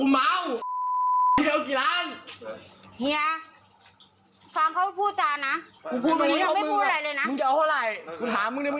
มึงเอาเข้าไรกูถามมึงเอาเข้าไร